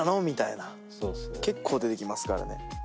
みたいなそうそう結構出てきますからね